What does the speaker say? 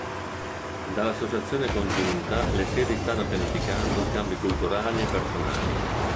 Dall'associazione congiunta le sedi stanno pianificando scambi culturali e personali.